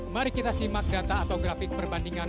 mari kita simak data atau grafik perbandingan